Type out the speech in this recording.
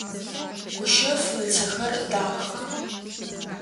Гущэф ыцэхэр дахэх.